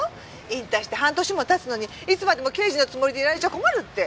引退して半年も経つのにいつまでも刑事のつもりでいられちゃ困るって。